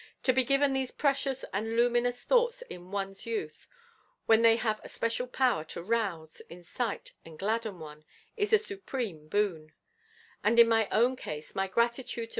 To be given these precious and luminous thoughts in one's youth, when they have a special power to 'rouse, incite and gladden one,' is a supreme boon: and in my own case my gratitude to M.